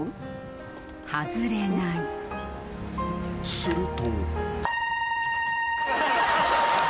［すると］